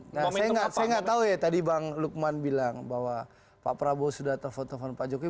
nah saya nggak tahu ya tadi bang lukman bilang bahwa pak prabowo sudah telepon telepon pak jokowi